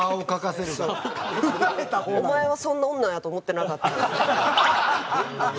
「お前はそんな女やと思ってなかった」って言って。